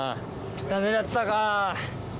ダメだったか。